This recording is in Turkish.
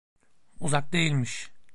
Uzak değilmiş!